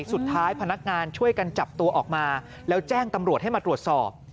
พนักงานช่วยกันจับตัวออกมาแล้วแจ้งตำรวจให้มาตรวจสอบ